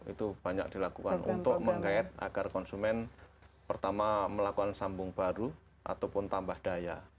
itu banyak dilakukan untuk menggait agar konsumen pertama melakukan sambung baru ataupun tambah daya